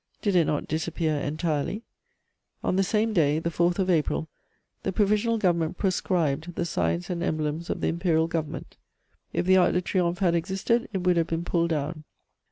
Did it not disappear entirely? On the same day, the 4th of April, the Provisional Government proscribed the signs and emblems of the Imperial Government: if the Arc de Triomphe had existed, it would have been pulled down.